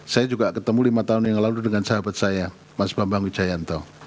saya juga ketemu lima tahun yang lalu dengan sahabat saya mas bambang wijayanto